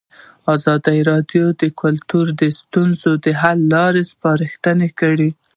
ازادي راډیو د کلتور د ستونزو حل لارې سپارښتنې کړي.